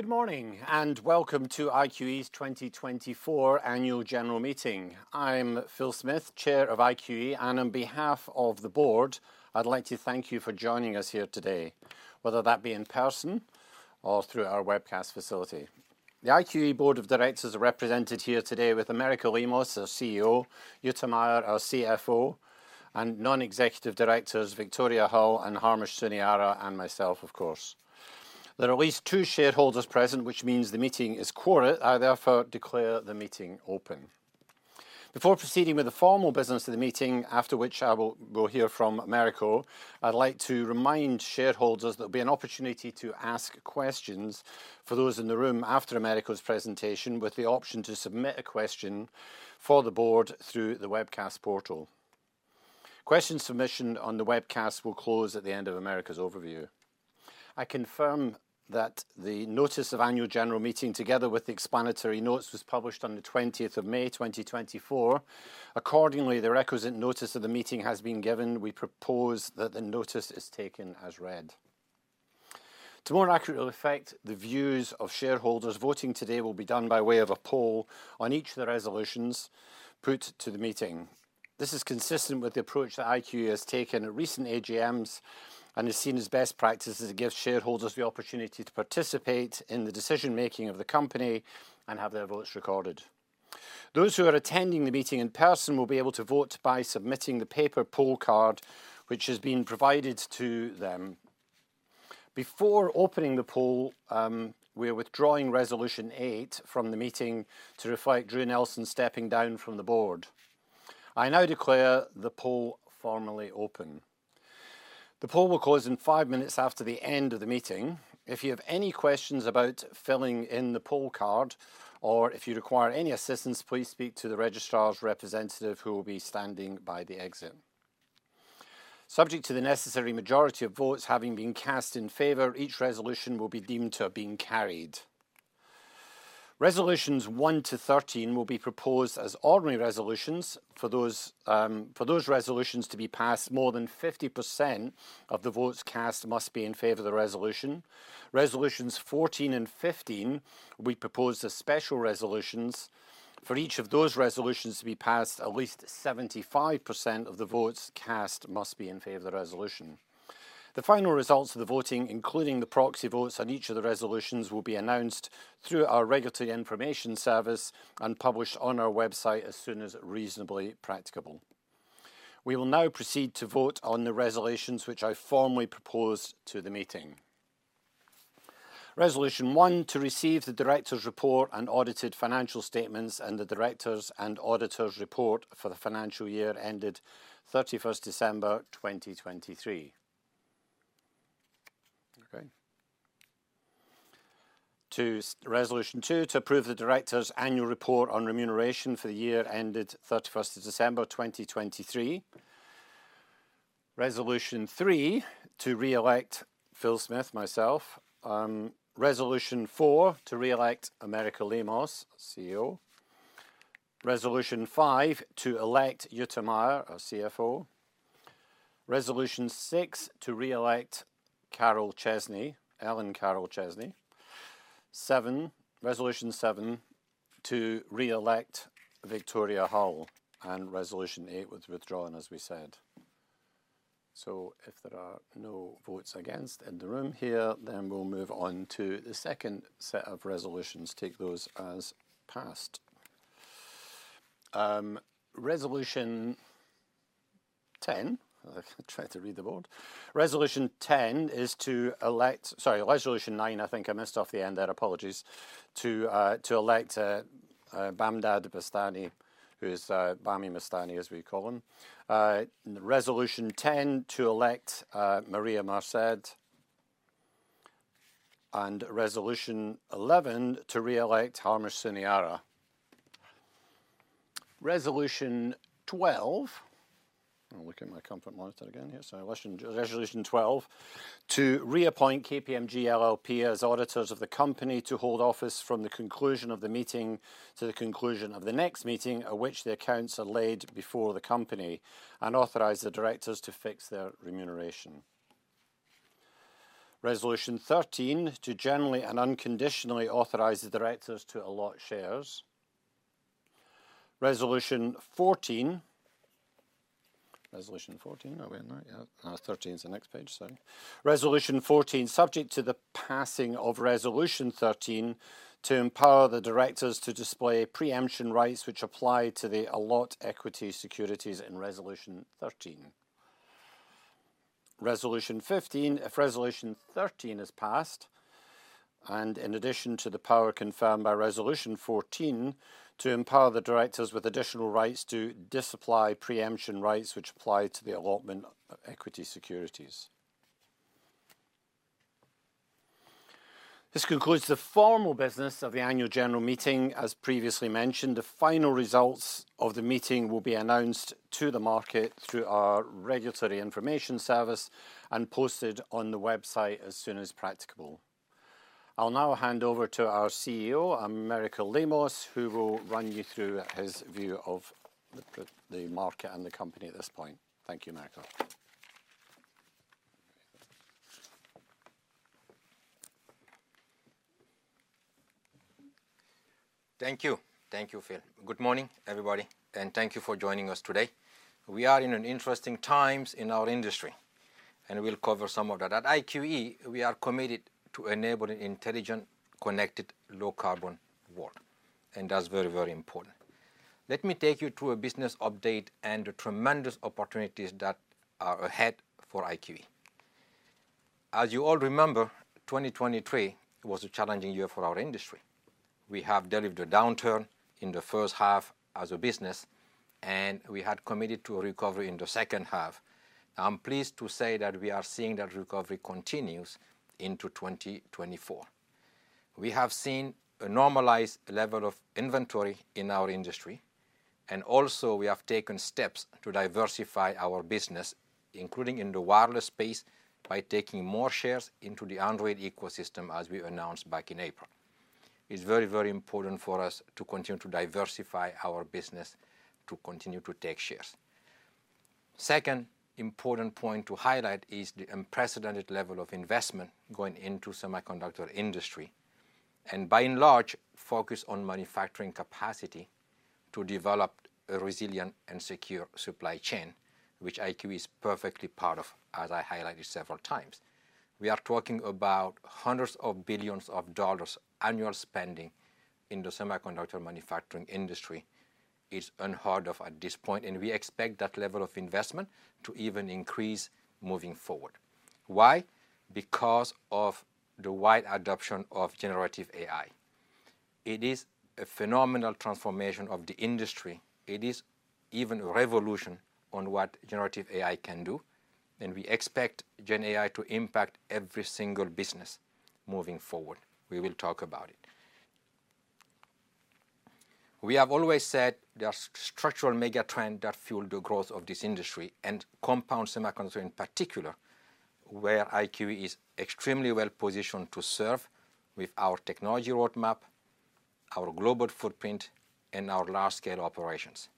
Good morning and welcome to IQE's 2024 Annual General Meeting. I'm Phil Smith, Chair of IQE, and on behalf of the board, I'd like to thank you for joining us here today, whether that be in person or through our webcast facility. The IQE Board of Directors are represented here today with Americo Lemos, our CEO; Jutta Meier, our CFO; and non-executive directors Victoria Hull, Harmesh Sunavala, and myself, of course. There are at least 2 shareholders present, which means the meeting is quorate. I therefore declare the meeting open. Before proceeding with the formal business of the meeting, after which I will hear from Americo, I'd like to remind shareholders that there will be an opportunity to ask questions for those in the room after Americo's presentation, with the option to submit a question for the board through the webcast portal. Questions submission on the webcast will close at the end of Americo's overview. I confirm that the Notice of Annual General Meeting, together with the explanatory notes, was published on the 20th of May, 2024. Accordingly, the requisite notice of the meeting has been given. We propose that the notice is taken as read. To more accurately reflect the views of shareholders, voting today will be done by way of a poll on each of the resolutions put to the meeting. This is consistent with the approach that IQE has taken at recent AGMs and is seen as best practice as it gives shareholders the opportunity to participate in the decision-making of the company and have their votes recorded. Those who are attending the meeting in person will be able to vote by submitting the paper poll card, which has been provided to them. Before opening the poll, we are withdrawing Resolution 8 from the meeting to reflect Drew Nelson stepping down from the board. I now declare the poll formally open. The poll will close in five minutes after the end of the meeting. If you have any questions about filling in the poll card or if you require any assistance, please speak to the registrar's representative, who will be standing by the exit. Subject to the necessary majority of votes having been cast in favor of the resolution, each resolution will be deemed to have been carried. Resolutions 1 to 13 will be proposed as ordinary resolutions. For those resolutions to be passed, more than 50% of the votes cast must be in favor of the resolution. Resolutions 14 and 15 will be proposed as special resolutions. For each of those resolutions to be passed, at least 75% of the votes cast must be in favor of the resolution. The final results of the voting, including the proxy votes on each of the resolutions, will be announced through our regulatory information service and published on our website as soon as reasonably practicable. We will now proceed to vote on the resolutions which I formally propose to the meeting. Resolution 1, to receive the director's report and audited financial statements and the director's and auditor's report for the financial year ended 31st December 2023. Okay. To Resolution 2, to approve the director's annual report on remuneration for the year ended 31st of December 2023. Resolution 3, to re-elect Phil Smith, myself. Resolution 4, to re-elect Americo Lemos, CEO. Resolution 5, to elect Jutta Meier, our CFO. Resolution 6, to re-elect Carole Chesney, Ellen Carole Chesney. Resolution 7, to re-elect Victoria Hull. Resolution 8 was withdrawn, as we said. So if there are no votes against in the room here, then we'll move on to the second set of resolutions. Take those as passed. Resolution 10, I tried to read the board. Resolution 10 is to elect—sorry, Resolution 9, I think I missed off the end there, apologies—to elect Bamdad Bastani, who is Bami Bastani, as we call him. Resolution 10, to elect Maria Marced. Resolution 11, to re-elect Harmesh Sunavala. Resolution 12—I'll look at my comfort monitor again here. Sorry, Resolution 12, to reappoint KPMG LLP as auditors of the company to hold office from the conclusion of the meeting to the conclusion of the next meeting at which the accounts are laid before the company and authorize the directors to fix their remuneration. Resolution 13, to generally and unconditionally authorize the directors to allot shares. Resolution 14. Resolution 14, are we on that yet? 13 is the next page, sorry. Resolution 14, subject to the passing of Resolution 13, to empower the directors to disapply preemption rights which apply to the allotment of equity securities in Resolution 13. Resolution 15, if Resolution 13 is passed, and in addition to the power confirmed by Resolution 14, to empower the directors with additional rights to disapply preemption rights which apply to the allotment of equity securities. This concludes the formal business of the Annual General Meeting. As previously mentioned, the final results of the meeting will be announced to the market through our regulatory information service and posted on the website as soon as practicable. I'll now hand over to our CEO, Americo Lemos, who will run you through his view of the market and the company at this point. Thank you, Americo. Thank you. Thank you, Phil. Good morning, everybody, and thank you for joining us today. We are in interesting times in our industry, and we'll cover some of that. At IQE, we are committed to enabling an intelligent, connected, low-carbon world, and that's very, very important. Let me take you through a business update and the tremendous opportunities that are ahead for IQE. As you all remember, 2023 was a challenging year for our industry. We have delivered a downturn in the first half as a business, and we had committed to a recovery in the second half. I'm pleased to say that we are seeing that recovery continue into 2024. We have seen a normalized level of inventory in our industry, and also we have taken steps to diversify our business, including in the wireless space, by taking more shares into the Android ecosystem as we announced back in April. It's very, very important for us to continue to diversify our business, to continue to take shares. Second important point to highlight is the unprecedented level of investment going into the semiconductor industry, and by and large, focus on manufacturing capacity to develop a resilient and secure supply chain, which IQE is perfectly part of, as I highlighted several times. We are talking about $ hundreds of billions annual spending in the semiconductor manufacturing industry. It's unheard of at this point, and we expect that level of investment to even increase moving forward. Why? Because of the wide adoption of generative AI. It is a phenomenal transformation of the industry. It is even a revolution on what generative AI can do, and we expect GenAI to impact every single business moving forward. We will talk about it. We have always said there are structural mega trends that fuel the growth of this industry and compound semiconductor in particular, where IQE is extremely well positioned to serve with our technology roadmap, our global footprint, and our large-scale operations.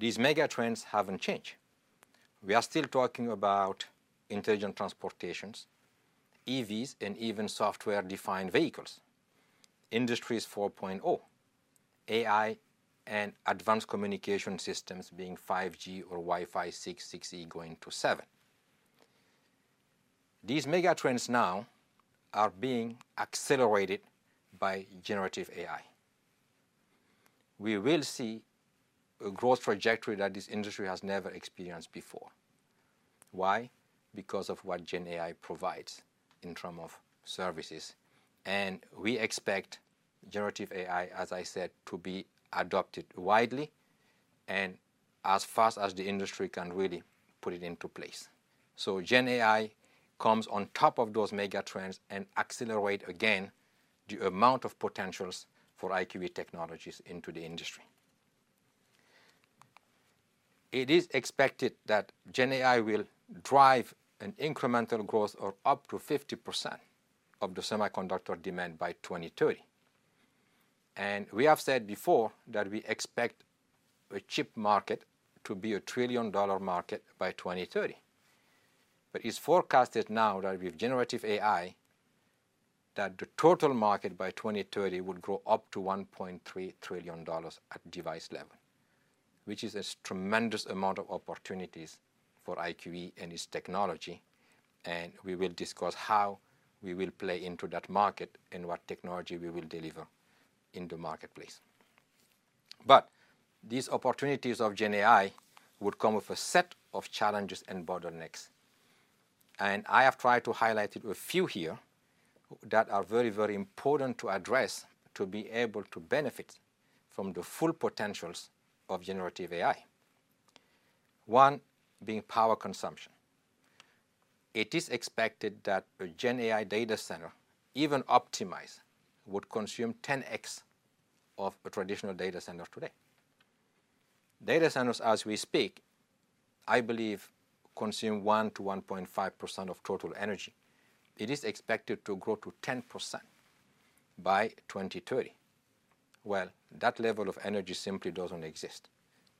These mega trends haven't changed. We are still talking about intelligent transportation, EVs, and even software-defined vehicles, Industry 4.0, AI, and advanced communication systems being 5G or Wi-Fi 6, 6E going to 7. These mega trends now are being accelerated by generative AI. We will see a growth trajectory that this industry has never experienced before. Why? Because of what GenAI provides in terms of services, and we expect generative AI, as I said, to be adopted widely and as fast as the industry can really put it into place. So GenAI comes on top of those mega trends and accelerates again the amount of potentials for IQE technologies into the industry. It is expected that GenAI will drive an incremental growth of up to 50% of the semiconductor demand by 2030. And we have said before that we expect a chip market to be a trillion-dollar market by 2030. But it's forecasted now that with generative AI, that the total market by 2030 would grow up to $1.3 trillion at device level, which is a tremendous amount of opportunities for IQE and its technology. And we will discuss how we will play into that market and what technology we will deliver in the marketplace. But these opportunities of GenAI would come with a set of challenges and bottlenecks. And I have tried to highlight a few here that are very, very important to address to be able to benefit from the full potentials of generative AI. One being power consumption. It is expected that a GenAI data center, even optimized, would consume 10x of a traditional data center today. Data centers as we speak, I believe, consume 1%-1.5% of total energy. It is expected to grow to 10% by 2030. Well, that level of energy simply doesn't exist.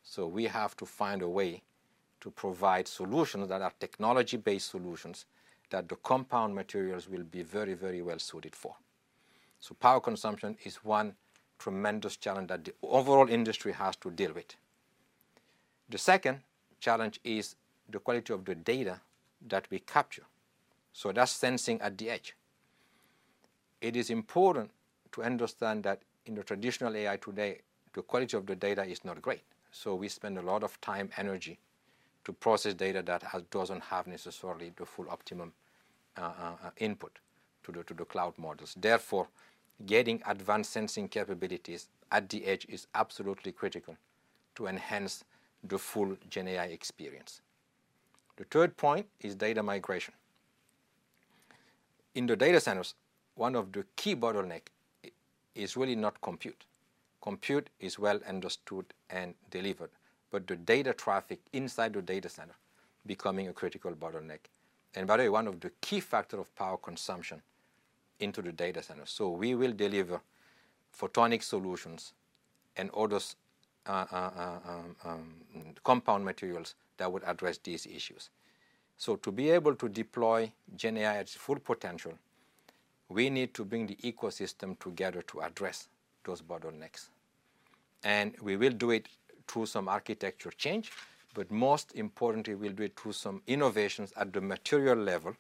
So we have to find a way to provide solutions that are technology-based solutions that the compound materials will be very, very well suited for. So power consumption is one tremendous challenge that the overall industry has to deal with. The second challenge is the quality of the data that we capture. So that's sensing at the edge. It is important to understand that in the traditional AI today, the quality of the data is not great. So we spend a lot of time, energy, to process data that doesn't have necessarily the full optimum input to the cloud models. Therefore, getting advanced sensing capabilities at the edge is absolutely critical to enhance the full GenAI experience. The third point is data migration. In the data centers, one of the key bottlenecks is really not compute. Compute is well understood and delivered, but the data traffic inside the data center is becoming a critical bottleneck. And by the way, one of the key factors of power consumption is into the data center. So we will deliver photonic solutions and other compound materials that would address these issues. So to be able to deploy GenAI at its full potential, we need to bring the ecosystem together to address those bottlenecks. We will do it through some architecture change, but most importantly, we'll do it through some innovations at the material level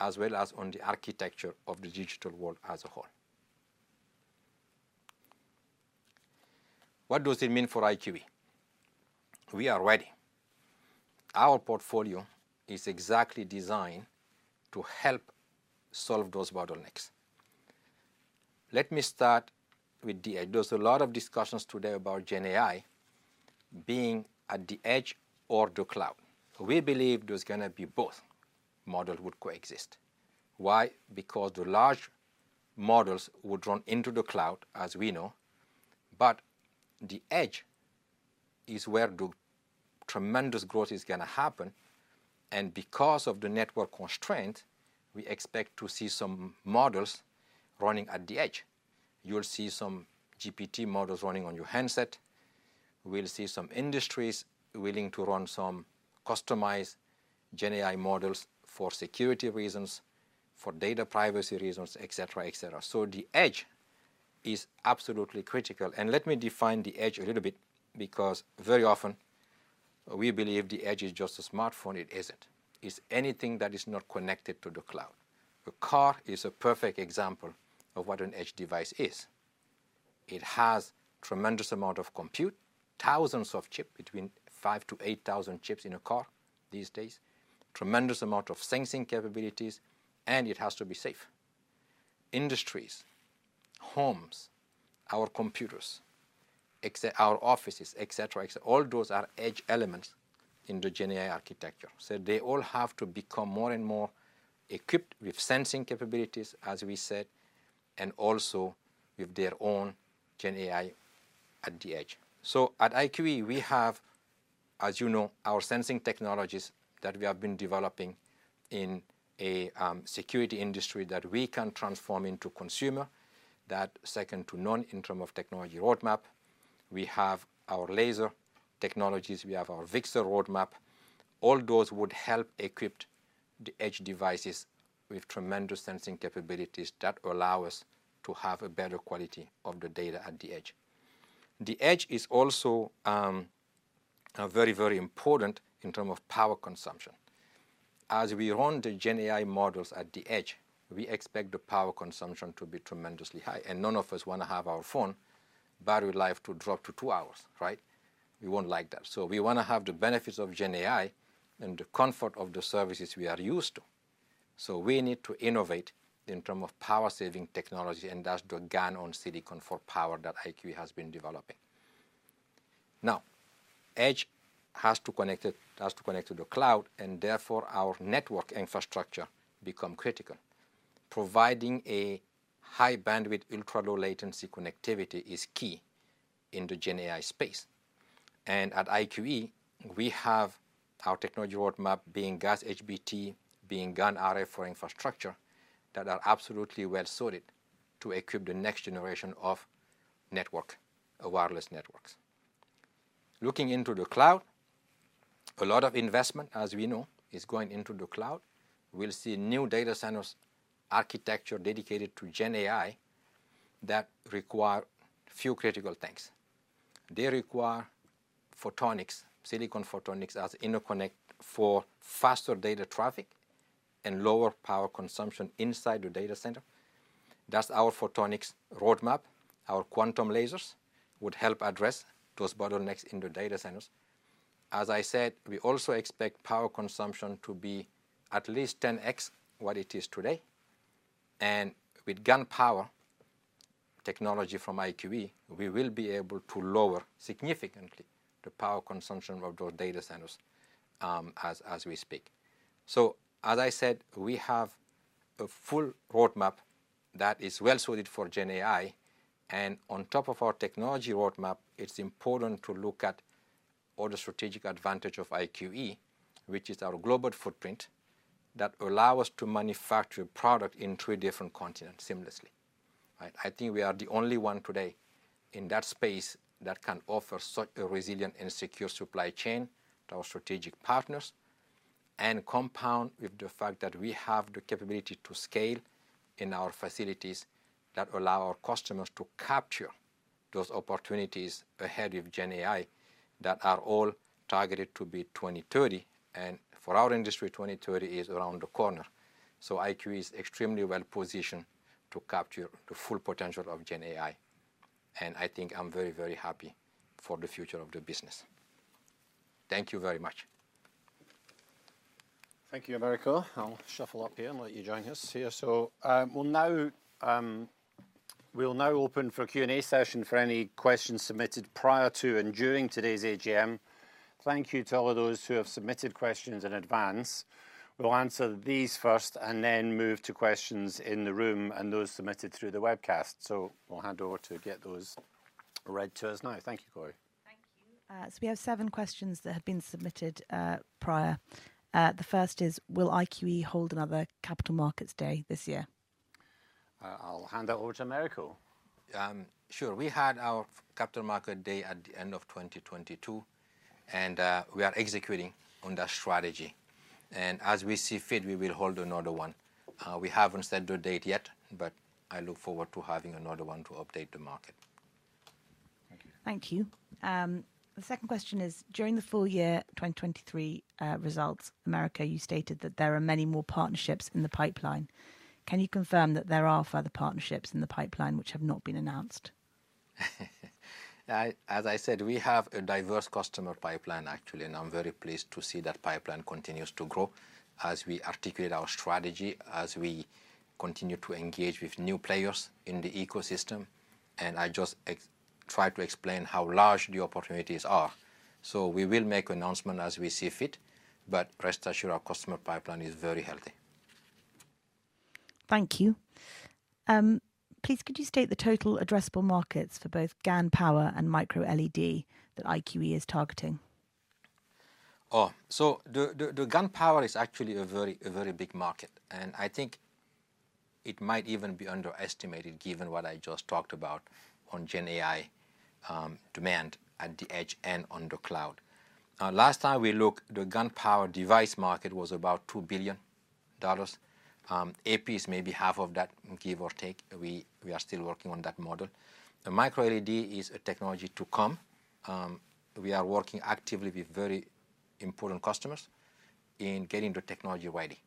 as well as on the architecture of the digital world as a whole. What does it mean for IQE? We are ready. Our portfolio is exactly designed to help solve those bottlenecks. Let me start with. There's a lot of discussions today about GenAI being at the edge or the cloud. We believe there's going to be both. Models would coexist. Why? Because the large models will drop into the cloud, as we know, but the edge is where the tremendous growth is going to happen. Because of the network constraints, we expect to see some models running at the edge. You'll see some GPT models running on your handset. We'll see some industries willing to run some customized GenAI models for security reasons, for data privacy reasons, et cetera, et cetera. So the edge is absolutely critical. And let me define the edge a little bit because very often we believe the edge is just a smartphone. It isn't. It's anything that is not connected to the cloud. A car is a perfect example of what an edge device is. It has a tremendous amount of compute, thousands of chips, between 5,000-8,000 chips in a car these days, a tremendous amount of sensing capabilities, and it has to be safe. Industries, homes, our computers, our offices, et cetera, et cetera, all those are edge elements in the GenAI architecture. So they all have to become more and more equipped with sensing capabilities, as we said, and also with their own GenAI at the edge. So at IQE, we have, as you know, our sensing technologies that we have been developing in a security industry that we can transform into consumer, that second-to-none intrinsic technology roadmap. We have our laser technologies. We have our VCSEL roadmap. All those would help equip the edge devices with tremendous sensing capabilities that allow us to have a better quality of the data at the edge. The edge is also very, very important in terms of power consumption. As we run the GenAI models at the edge, we expect the power consumption to be tremendously high. And none of us want to have our phone battery life drop to two hours, right? We won't like that. So we want to have the benefits of GenAI and the comfort of the services we are used to. So we need to innovate in terms of power-saving technology, and that's the GaN on Silicon for Power that IQE has been developing. Now, edge has to connect to the cloud, and therefore our network infrastructure becomes critical. Providing a high-bandwidth, ultra-low-latency connectivity is key in the GenAI space. And at IQE, we have our technology roadmap, being GaN, HBT, being GaN RF for infrastructure that are absolutely well-suited to equip the next generation of network, wireless networks. Looking into the cloud, a lot of investment, as we know, is going into the cloud. We'll see new data center architecture dedicated to GenAI that requires a few critical things. They require photonics, silicon photonics as interconnect for faster data traffic and lower power consumption inside the data center. That's our photonics roadmap. Our quantum lasers would help address those bottlenecks in the data centers. As I said, we also expect power consumption to be at least 10x what it is today. And with GaN power technology from IQE, we will be able to lower significantly the power consumption of those data centers as we speak. So, as I said, we have a full roadmap that is well-suited for GenAI. And on top of our technology roadmap, it's important to look at all the strategic advantage of IQE, which is our global footprint that allows us to manufacture products in three different continents seamlessly. I think we are the only one today in that space that can offer such a resilient and secure supply chain to our strategic partners and compound with the fact that we have the capability to scale in our facilities that allow our customers to capture those opportunities ahead with GenAI that are all targeted to be 2030. And for our industry, 2030 is around the corner. So IQE is extremely well-positioned to capture the full potential of GenAI. And I think I'm very, very happy for the future of the business. Thank you very much. Thank you, Americo. I'll shuffle up here and let you join us here. So we'll now open for a Q&A session for any questions submitted prior to and during today's AGM. Thank you to all of those who have submitted questions in advance. We'll answer these first and then move to questions in the room and those submitted through the webcast. So we'll hand over to get those read to us now. Thank you, Cory. Thank you. So we have seven questions that have been submitted prior. The first is, will IQE hold another Capital Markets Day this year? I'll hand it over to Americo. Sure. We had our Capital Markets Day at the end of 2022, and we are executing on that strategy. And as we see fit, we will hold another one. We haven't set the date yet, but I look forward to having another one to update the market. Thank you. Thank you. The second question is, during the full year 2023 results, Americo, you stated that there are many more partnerships in the pipeline. Can you confirm that there are further partnerships in the pipeline which have not been announced? As I said, we have a diverse customer pipeline, actually, and I'm very pleased to see that pipeline continues to grow as we articulate our strategy, as we continue to engage with new players in the ecosystem. I just tried to explain how large the opportunities are. We will make an announcement as we see fit, but rest assured our customer pipeline is very healthy. Thank you. Please, could you state the total addressable markets for both GaN power and microLED that IQE is targeting? Oh, so the GaN power is actually a very big market, and I think it might even be underestimated given what I just talked about on GenAI demand at the edge and on the cloud. Last time we looked, the GaN power device market was about $2 billion. Epi is maybe half of that, give or take. We are still working on that model. The MicroLED is a technology to come. We are working actively with very important customers in getting the technology ready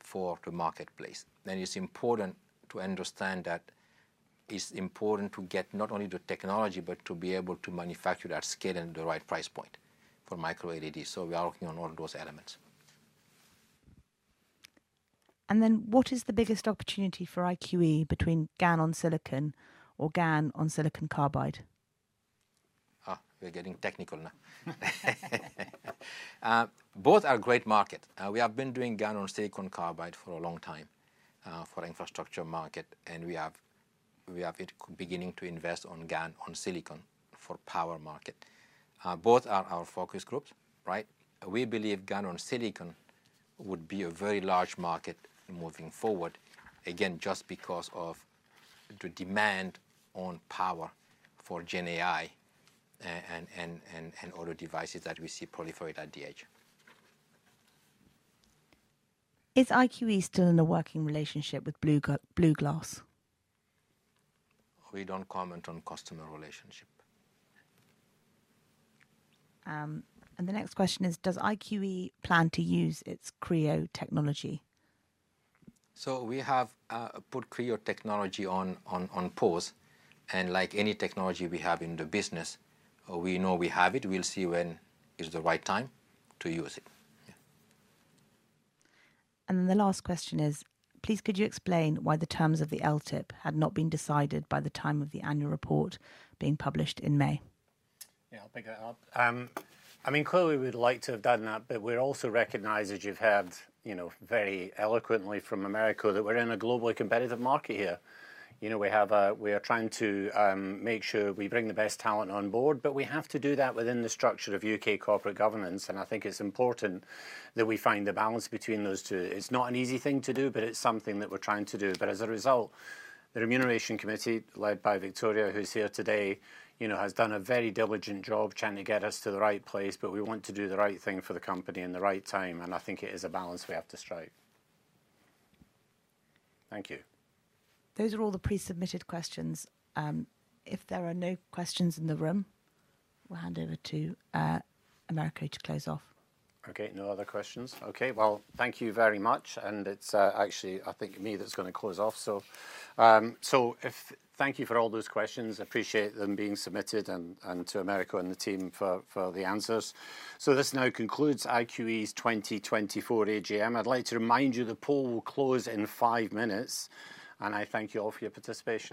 for the marketplace. And it's important to understand that it's important to get not only the technology, but to be able to manufacture at scale and the right price point for MicroLED. So we are working on all those elements. And then what is the biggest opportunity for IQE between GaN-on-Si or GaN-on-SiC? Oh, we're getting technical now. Both are a great market. We have been doing GaN-on-SiC for a long time for our infrastructure market, and we are beginning to invest in GaN-on-Si for the power market. Both are our focus groups, right? We believe GaN on silicon would be a very large market moving forward, again, just because of the demand on power for GenAI and other devices that we see proliferate at the edge. Is IQE still in a working relationship with BluGlass? We don't comment on customer relationship. And the next question is, does IQE plan to use its cREOtechnology? So we have put cREO technology on pause. And like any technology we have in the business, we know we have it. We'll see when it's the right time to use it. And then the last question is, please, could you explain why the terms of the LTIP had not been decided by the time of the annual report being published in May? Yeah, I'll pick that up. I mean, clearly we'd like to have done that, but we're also recognized, as you've heard very eloquently from Americo, that we're in a globally competitive market here. We are trying to make sure we bring the best talent on board, but we have to do that within the structure of U.K. corporate governance. And I think it's important that we find the balance between those two. It's not an easy thing to do, but it's something that we're trying to do. But as a result, the remuneration committee led by Victoria, who's here today, has done a very diligent job trying to get us to the right place, but we want to do the right thing for the company in the right time. And I think it is a balance we have to strike. Thank you. Those are all the pre-submitted questions. If there are no questions in the room, we'll hand over to Americo to close off. Okay, no other questions. Okay, well, thank you very much. It's actually, I think, me that's going to close off. Thank you for all those questions. Appreciate them being submitted and to Americo and the team for the answers. This now concludes IQE's 2024 AGM. I'd like to remind you the poll will close in five minutes, and I thank you all for your participation.